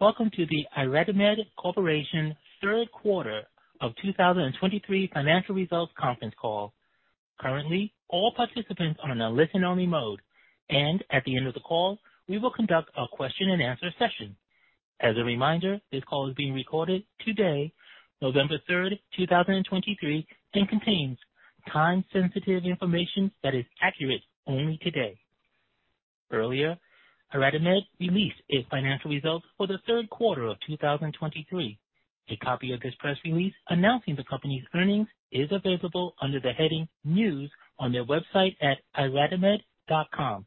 Welcome to the IRadimed Corporation third quarter of 2023 financial results conference call. Currently, all participants are on a listen-only mode, and at the end of the call, we will conduct a question-and-answer session. As a reminder, this call is being recorded today, November 3, 2023, and contains time-sensitive information that is accurate only today. Earlier, IRadimed released its financial results for the third quarter of 2023. A copy of this press release announcing the company's earnings is available under the heading News on their website at iradimed.com.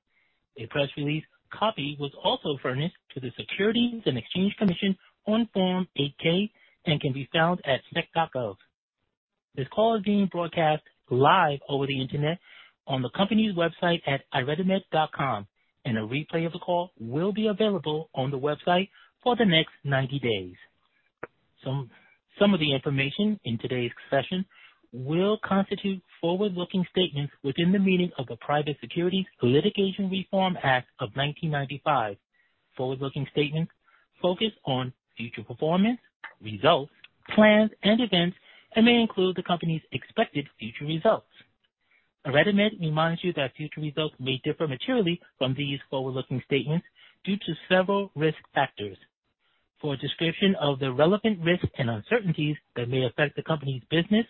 A press release copy was also furnished to the Securities and Exchange Commission on Form 8-K and can be found at sec.gov. This call is being broadcast live over the Internet on the company's website at iradimed.com, and a replay of the call will be available on the website for the next 90 days. Some of the information in today's session will constitute forward-looking statements within the meaning of the Private Securities Litigation Reform Act of 1995. Forward-looking statements focus on future performance, results, plans, and events and may include the company's expected future results. IRADIMED reminds you that future results may differ materially from these forward-looking statements due to several risk factors. For a description of the relevant risks and uncertainties that may affect the company's business,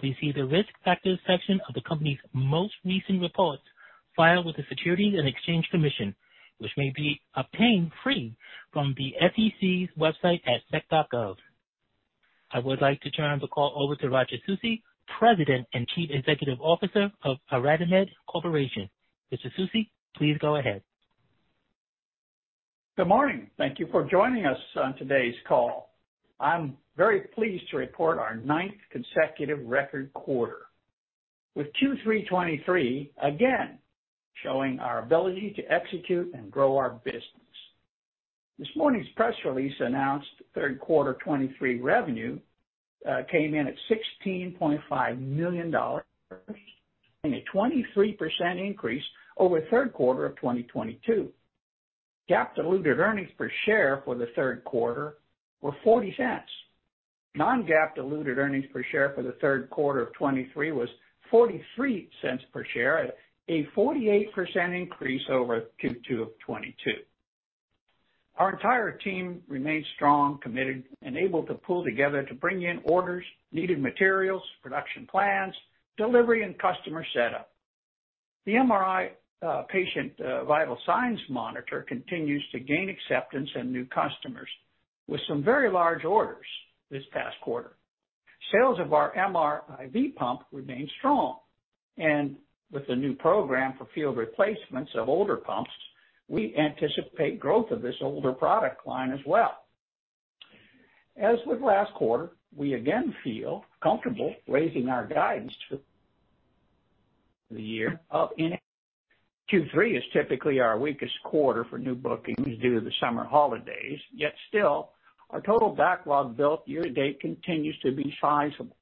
please see the Risk Factors section of the company's most recent reports filed with the Securities and Exchange Commission, which may be obtained free from the SEC's website at sec.gov. I would like to turn the call over to Roger Susi, President and Chief Executive Officer of IRADIMED Corporation. Mr. Susi, please go ahead. Good morning. Thank you for joining us on today's call. I'm very pleased to report our ninth consecutive record quarter, with Q3 2023 again showing our ability to execute and grow our business. This morning's press release announced third quarter 2023 revenue came in at $16.5 million, and a 23% increase over third quarter of 2022. GAAP diluted earnings per share for the third quarter were $0.40. Non-GAAP diluted earnings per share for the third quarter of 2023 was $0.43 per share, a 48% increase over Q2 of 2022. Our entire team remains strong, committed, and able to pull together to bring in orders, needed materials, production plans, delivery, and customer setup. The MRI patient vital signs monitor continues to gain acceptance and new customers, with some very large orders this past quarter. Sales of our MRI V-pump remain strong, and with the new program for field replacements of older pumps, we anticipate growth of this older product line as well. As with last quarter, we again feel comfortable raising our guidance for the year up. Q3 is typically our weakest quarter for new bookings due to the summer holidays, yet still our total backlog built year to date continues to be sizable.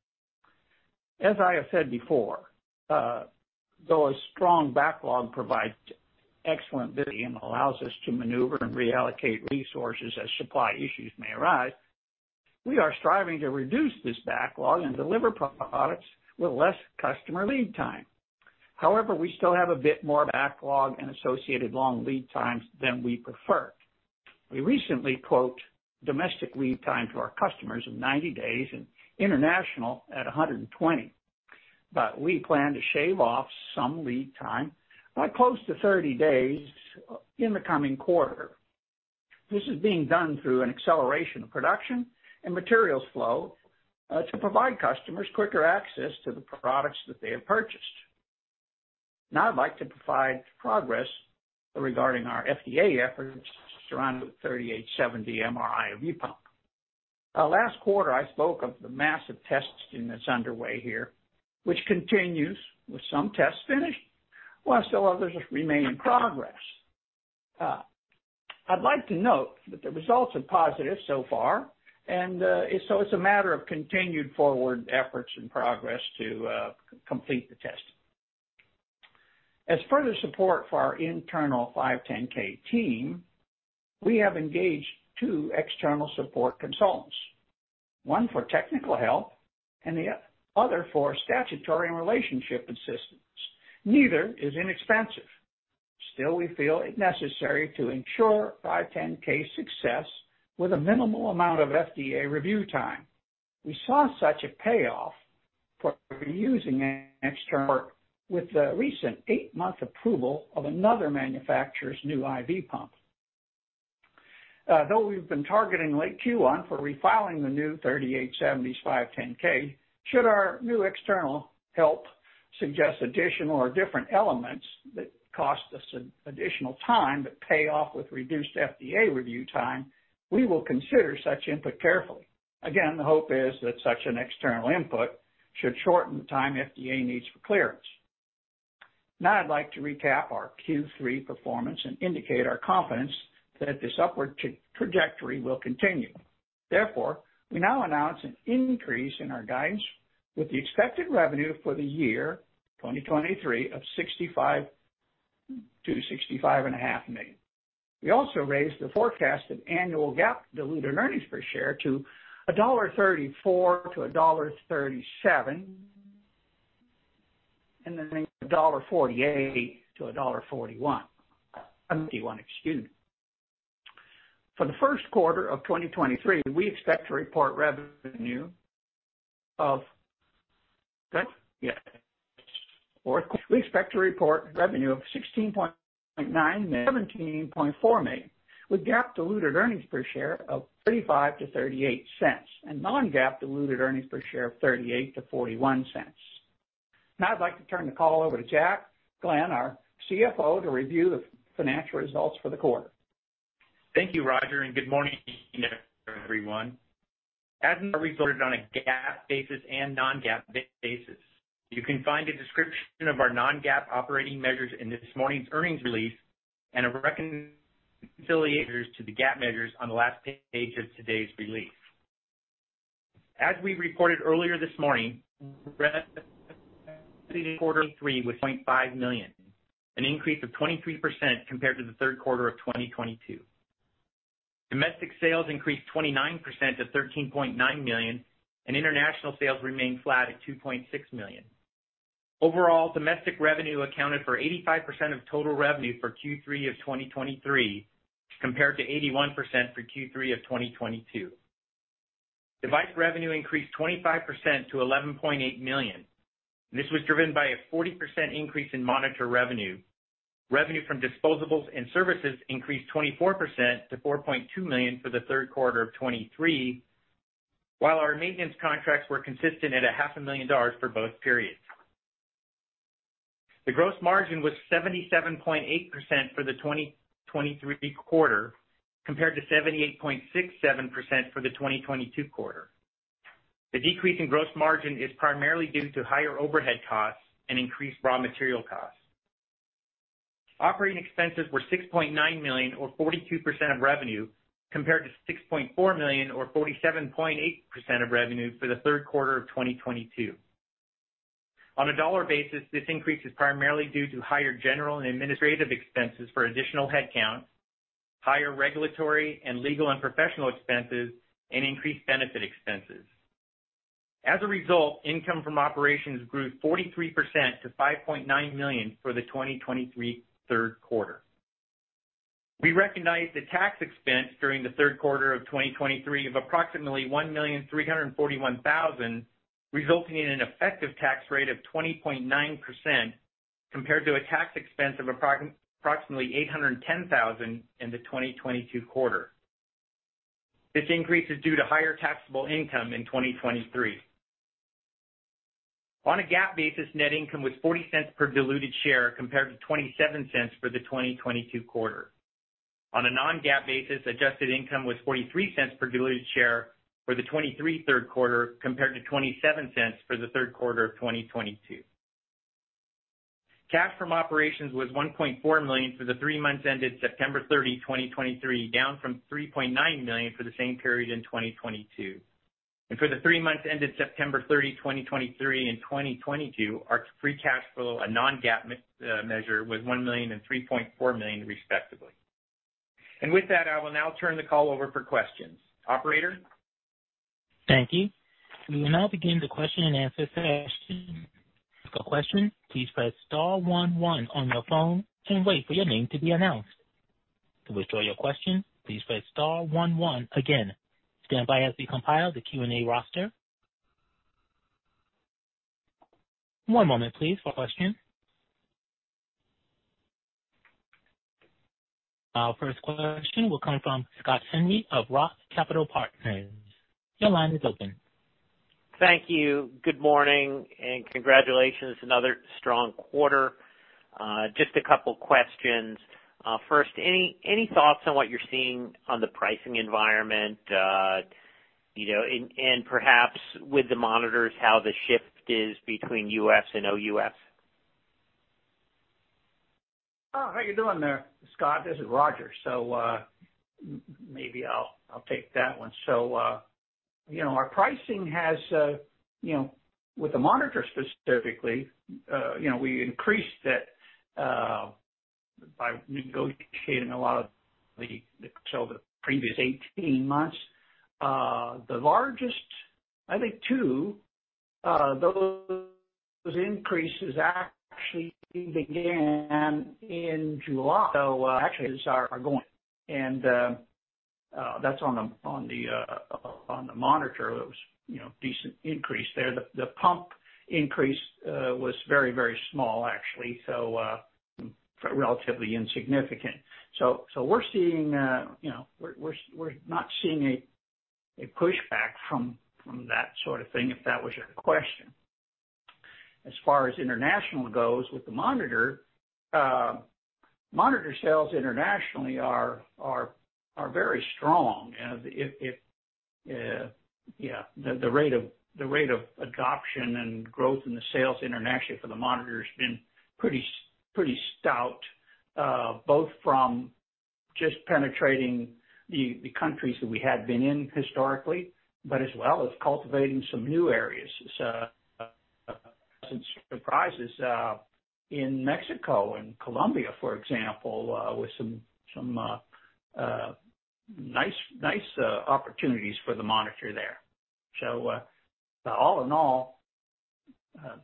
As I have said before, though a strong backlog provides excellent visibility and allows us to maneuver and reallocate resources as supply issues may arise, we are striving to reduce this backlog and deliver products with less customer lead time. However, we still have a bit more backlog and associated long lead times than we prefer. We recently quote domestic lead time to our customers in 90 days and international at 120, but we plan to shave off some lead time by close to 30 days in the coming quarter. This is being done through an acceleration of production and materials flow, to provide customers quicker access to the products that they have purchased. Now, I'd like to provide progress regarding our FDA efforts surrounding the 3870 MRI IV pump. Last quarter, I spoke of the massive testing that's underway here, which continues with some tests finished, while still others remain in progress. I'd like to note that the results are positive so far, and, so it's a matter of continued forward efforts and progress to, complete the testing. As further support for our internal 510(k) team, we have engaged two external support consultants, one for technical help and the other for statutory and relationship assistance. Neither is inexpensive. Still, we feel it necessary to ensure 510(k) success with a minimal amount of FDA review time. We saw such a payoff for using an external with the recent 8-month approval of another manufacturer's new IV pump. Though we've been targeting late Q1 for refiling the new 3870's 510(k). Should our new external help suggest additional or different elements that cost us additional time, but pay off with reduced FDA review time, we will consider such input carefully. Again, the hope is that such an external input should shorten the time FDA needs for clearance. Now, I'd like to recap our Q3 performance and indicate our confidence that this upward trajectory will continue. Therefore, we now announce an increase in our guidance, with the expected revenue for the year 2023 of $65-$65.5 million. We also raised the forecast of annual GAAP diluted earnings per share to $1.34-$1.37, and then $1.48-$1.41. Forty-one, excuse me. For the first quarter of 2023, we expect to report revenue of $16.9-$17.4 million, with GAAP diluted earnings per share of $0.35-$0.38, and non-GAAP diluted earnings per share of $0.38-$0.41. Now, I'd like to turn the call over to Jack Glenn, our CFO, to review the financial results for the quarter. Thank you, Roger, and good morning, everyone. As reported on a GAAP basis and non-GAAP basis, you can find a description of our non-GAAP operating measures in this morning's earnings release and a reconciliation to the GAAP measures on the last page of today's release. As we reported earlier this morning, quarter three was $0.5 million, an increase of 23% compared to the third quarter of 2022. Domestic sales increased 29% to $13.9 million, and international sales remained flat at $2.6 million. Overall, domestic revenue accounted for 85% of total revenue for Q3 of 2023, compared to 81% for Q3 of 2022. Device revenue increased 25% to $11.8 million. This was driven by a 40% increase in monitor revenue. Revenue from disposables and services increased 24% to $4.2 million for the third quarter of 2023, while our maintenance contracts were consistent at $500,000 for both periods. The gross margin was 77.8% for the 2023 quarter, compared to 78.67% for the 2022 quarter. The decrease in gross margin is primarily due to higher overhead costs and increased raw material costs. Operating expenses were $6.9 million, or 42% of revenue, compared to $6.4 million, or 47.8% of revenue for the third quarter of 2022. On a dollar basis, this increase is primarily due to higher general and administrative expenses for additional headcount, higher regulatory and legal and professional expenses, and increased benefit expenses. As a result, income from operations grew 43% to $5.9 million for the 2023 third quarter. We recognized a tax expense during the third quarter of 2023 of approximately $1,341,000, resulting in an effective tax rate of 20.9%, compared to a tax expense of approximately $810,000 in the 2022 quarter. This increase is due to higher taxable income in 2023. On a GAAP basis, net income was $0.40 per diluted share, compared to $0.27 for the 2022 quarter. On a non-GAAP basis, adjusted income was $0.43 per diluted share for the 2023 third quarter, compared to $0.27 for the third quarter of 2022. Cash from operations was $1.4 million for the three months ended September 30, 2023, down from $3.9 million for the same period in 2022. And for the three months ended September 30, 2023 and 2022, our free cash flow, a non-GAAP measure, was $1 million and $3.4 million, respectively. And with that, I will now turn the call over for questions. Operator? Thank you. We will now begin the question and answer session. To ask a question, please press star one one on your phone and wait for your name to be announced. To withdraw your question, please press star one one again. Stand by as we compile the Q&A roster. One moment, please, for questions. Our first question will come from Scott Henry of ROTH Capital Partners. Your line is open. Thank you. Good morning, and congratulations, another strong quarter. Just a couple questions. First, any thoughts on what you're seeing on the pricing environment, you know, and perhaps with the monitors, how the shift is between US and OUS? Oh, how you doing there, Scott? This is Roger. So, maybe I'll take that one. So, you know, our pricing has, you know, with the monitor specifically, you know, we increased it by negotiating a lot of the, so the previous 18 months. The largest, I think, two, those increases actually began in July, so, actually are going and, that's on the monitor. It was, you know, decent increase there. The pump increase was very, very small actually, so, relatively insignificant. So, we're seeing, you know, we're not seeing a pushback from that sort of thing, if that was your question. As far as international goes, with the monitor, monitor sales internationally are very strong, and if-... Yeah, the rate of adoption and growth in the sales internationally for the monitor has been pretty stout, both from just penetrating the countries that we had been in historically, but as well as cultivating some new areas. Some surprises in Mexico and Colombia, for example, with some nice opportunities for the monitor there. So, all in all,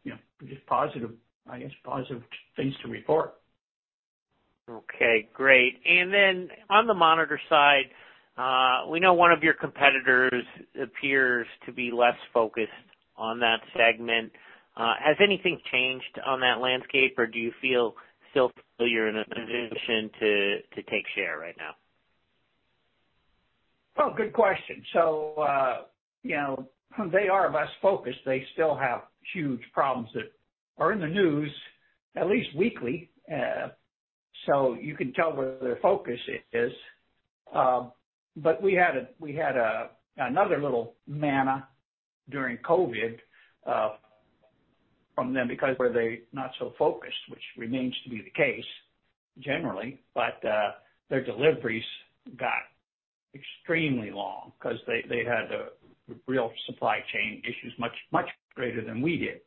you know, just positive, I guess, positive things to report. Okay, great. And then on the monitor side, we know one of your competitors appears to be less focused on that segment. Has anything changed on that landscape, or do you feel still you're in a position to take share right now? Oh, good question. So, you know, they are less focused. They still have huge problems that are in the news at least weekly. So you can tell where their focus is. But we had another little manna during COVID, from them, because were they not so focused, which remains to be the case generally, but their deliveries got extremely long 'cause they had real supply chain issues, much, much greater than we did.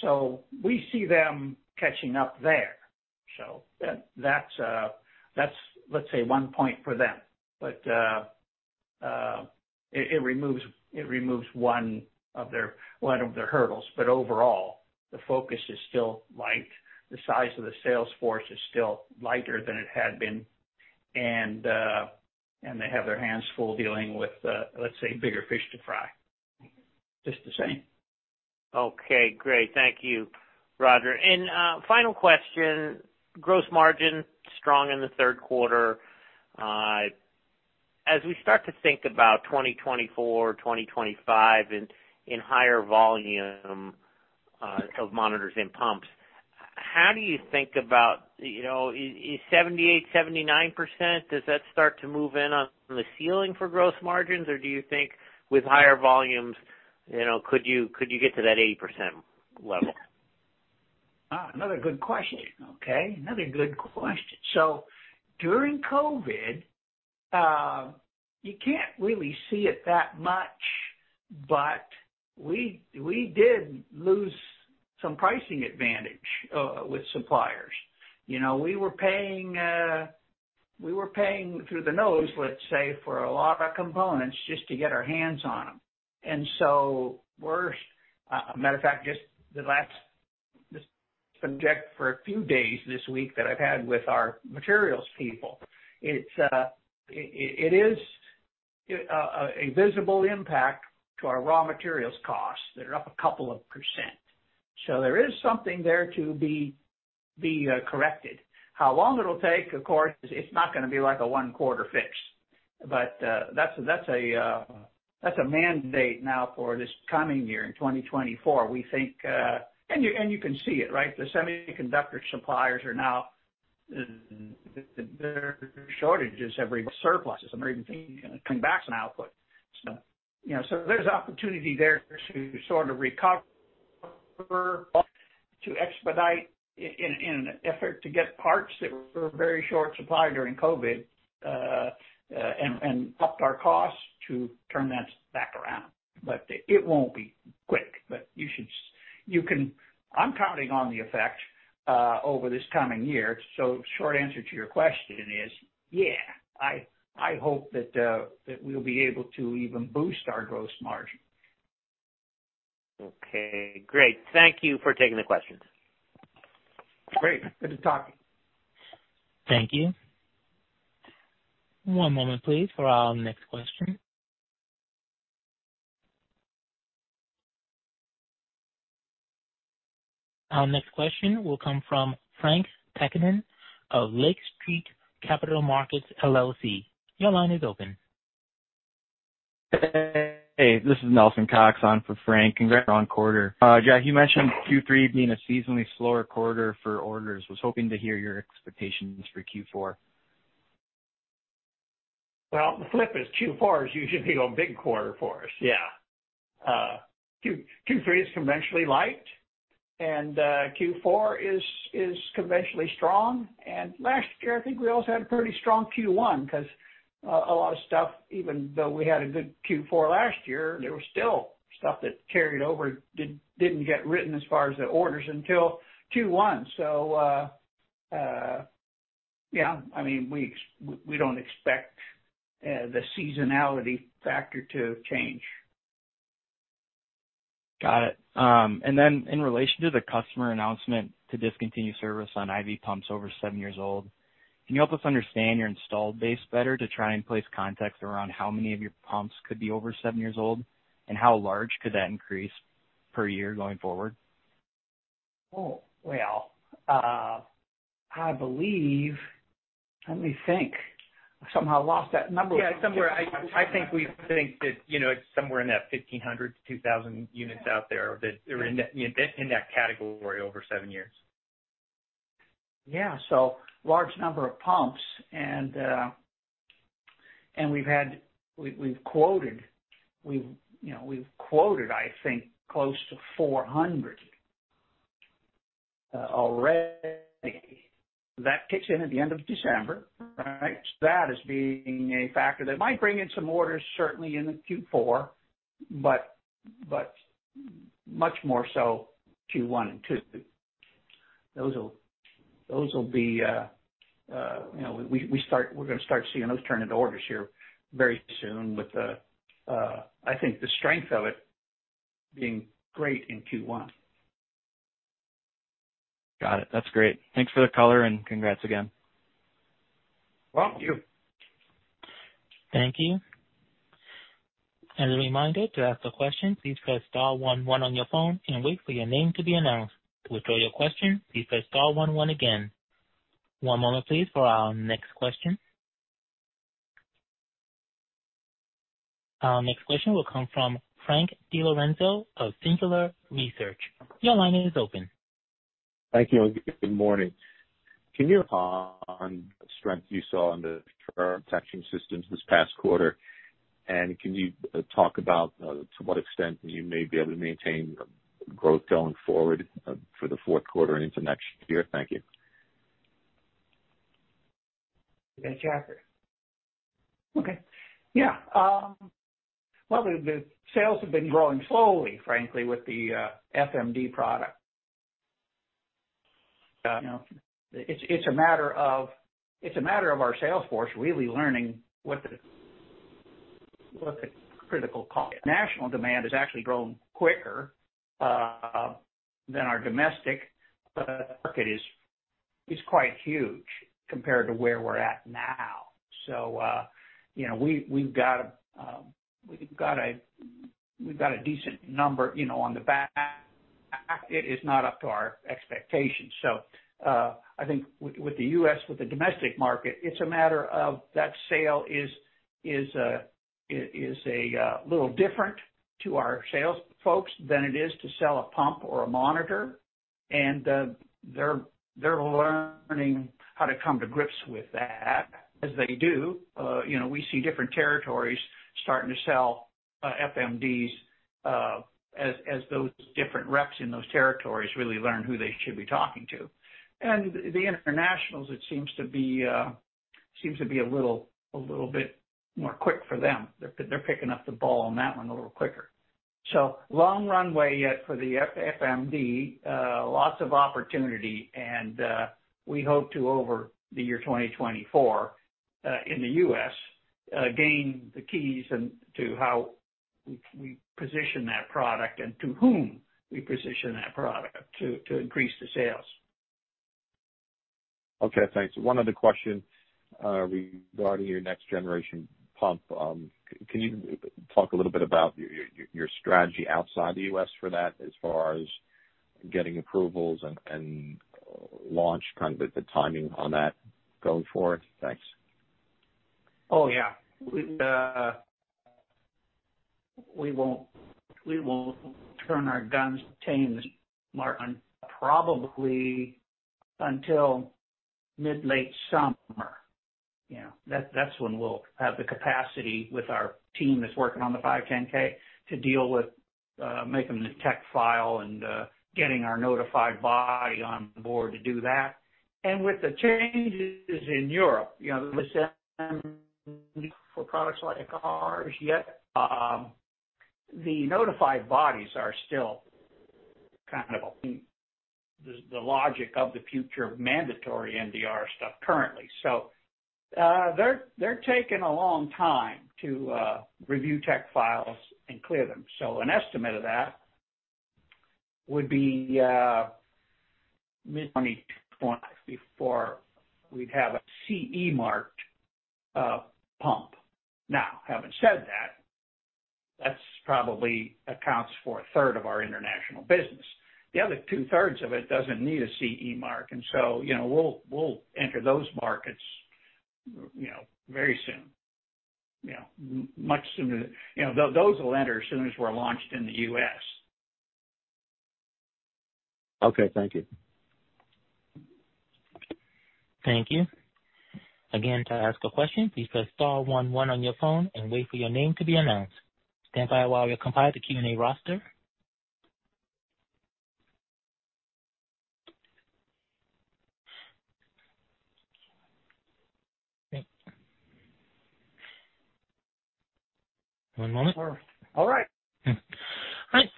So we see them catching up there. So that's, let's say, one point for them. But it removes one of their- one of their hurdles, but overall, the focus is still light. The size of the sales force is still lighter than it had been, and they have their hands full dealing with, let's say, bigger fish to fry. Just the same. Okay, great. Thank you, Roger. And final question, gross margin, strong in the third quarter. As we start to think about 2024, 2025 in higher volume of monitors and pumps, how do you think about, you know, 78%-79%, does that start to move in on the ceiling for gross margins? Or do you think with higher volumes, you know, could you get to that 80% level? Ah, another good question. Okay, another good question. So during COVID, you can't really see it that much, but we did lose some pricing advantage with suppliers. You know, we were paying through the nose, let's say, for a lot of components, just to get our hands on them. And so we're... Matter of fact, just the last project for a few days this week that I've had with our materials people, it's a visible impact to our raw materials costs. They're up a couple of %, so there is something there to be corrected. How long it'll take, of course, it's not gonna be like a one-quarter fix, but, that's a mandate now for this coming year in 2024. We think... You can see it, right? The semiconductor suppliers are now. Their shortages have surpluses, and they're even thinking of cutting back some output. You know, there's opportunity there to sort of recover, to expedite in an effort to get parts that were very short supply during COVID, and upped our costs to turn that back around. But it won't be quick, but you can. I'm counting on the effect over this coming year. Short answer to your question is, yeah, I hope that we'll be able to even boost our gross margin. Okay, great. Thank you for taking the questions. Great. Good to talk. Thank you. One moment, please, for our next question. Our next question will come from Frank Takkinen of Lake Street Capital Markets, LLC. Your line is open. Hey, this is Nelson Cox on for Frank. Congrats on quarter. Yeah, you mentioned Q3 being a seasonally slower quarter for orders. Was hoping to hear your expectations for Q4. Well, the flip is Q4 is usually a big quarter for us. Yeah. Q3 is conventionally light, and Q4 is conventionally strong. Last year, I think we also had a pretty strong Q1, 'cause a lot of stuff, even though we had a good Q4 last year, there was still stuff that carried over, didn't get written as far as the orders until Q1. So, yeah, I mean, we don't expect the seasonality factor to change. Got it. And then in relation to the customer announcement to discontinue service on IV pumps over seven years old, can you help us understand your installed base better to try and place context around how many of your pumps could be over seven years old? And how large could that increase per year going forward? Oh, well, I believe... Let me think. I somehow lost that number. Yeah, somewhere. I think we think that, you know, it's somewhere in that 1,500-2,000 units out there, that are in that category over 7 years.... Yeah, so large number of pumps and, and we've had, we've quoted, you know, we've quoted, I think, close to 400, already. That kicks in at the end of December, right? So that is being a factor that might bring in some orders, certainly in the Q4, but much more so Q1 and Q2. Those will be, you know, we're gonna start seeing those turn into orders here very soon. With the, I think the strength of it being great in Q1. Got it. That's great. Thanks for the color, and congrats again. Well, thank you. Thank you. As a reminder, to ask a question, please press star one one on your phone and wait for your name to be announced. To withdraw your question, please press star one one again. One moment, please, for our next question. Our next question will come from Frank DiLorenzo of Singular Research. Your line is open. Thank you. Good morning. Can you expand on the strength you saw in the blood filtering systems this past quarter? And can you talk about to what extent you may be able to maintain growth going forward for the fourth quarter and into next year? Thank you. Okay, Jack. Okay. Yeah, well, the sales have been growing slowly, frankly, with the FMD product. You know, it's a matter of our sales force really learning what the critical call... International demand has actually grown quicker than our domestic, but the market is quite huge compared to where we're at now. So, you know, we've got a decent number, you know, on the back. It is not up to our expectations. So, I think with the U.S., with the domestic market, it's a matter of that sale is a little different to our sales folks than it is to sell a pump or a monitor. And they're learning how to come to grips with that. As they do, you know, we see different territories starting to sell FMDs, as those different reps in those territories really learn who they should be talking to. And the internationals, it seems to be a little, a little bit more quick for them. They're picking up the ball on that one a little quicker. So long runway yet for the FMD, lots of opportunity. And we hope to, over the year 2024, in the US, gain the keys and to how we position that product and to whom we position that product to increase the sales. Okay, thanks. One other question, regarding your next generation pump. Can you talk a little bit about your strategy outside the U.S. for that, as far as getting approvals and launch, kind of, the timing on that going forward? Thanks. Oh, yeah. We won't turn our guns to tame this market probably until mid-late summer. You know, that's when we'll have the capacity with our team that's working on the 510(k) to deal with making the tech file and getting our notified body on board to do that. And with the changes in Europe, you know, the MDR for products like ours, yet, the notified bodies are still kind of the logjam of the future of mandatory MDR stuff currently. So, they're taking a long time to review tech files and clear them. So an estimate of that would be mid-2025 before we'd have a CE marked pump. Now, having said that, that's probably accounts for a third of our international business. The other two thirds of it doesn't need a CE Mark, and so, you know, we'll, we'll enter those markets, you know, very soon. You know, much sooner... You know, those will enter as soon as we're launched in the US. Okay. Thank you. Thank you. Again, to ask a question, please press star one one on your phone and wait for your name to be announced. Stand by while we compile the Q&A roster. One moment. All right. All right.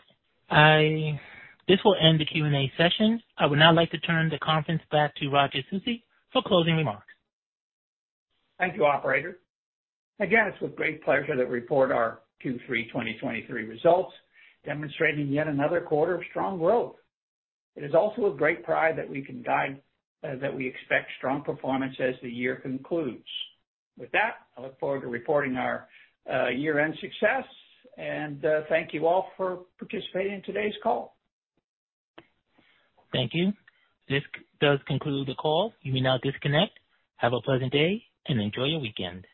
I -- this will end the Q&A session. I would now like to turn the conference back to Roger Susi for closing remarks. Thank you, operator. Again, it's with great pleasure that we report our Q3 2023 results, demonstrating yet another quarter of strong growth. It is also with great pride that we can guide that we expect strong performance as the year concludes. With that, I look forward to reporting our year-end success, and thank you all for participating in today's call. Thank you. This does conclude the call. You may now disconnect. Have a pleasant day and enjoy your weekend.